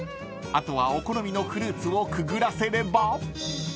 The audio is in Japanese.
［あとはお好みのフルーツをくぐらせれば］